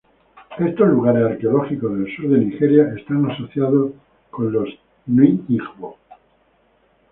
Estos lugares arqueológicos del sur de Nigeria están asociados con los Nri-Igbo.